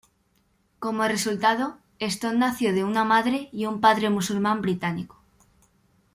Como resultado, Stone nació de una madre y un padre musulmán británico.